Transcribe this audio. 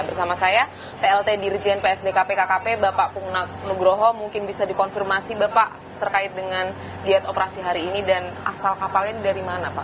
bersama saya plt dirjen psdkpkkp bapak kugroho mungkin bisa dikonfirmasi bapak terkait dengan diet operasi hari ini dan asal kapalnya dari mana pak